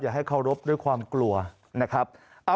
ให้เคารพด้วยความกลัวนะครับ